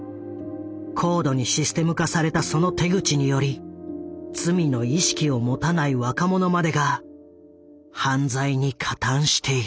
高度にシステム化されたその手口により罪の意識を持たない若者までが犯罪に加担している。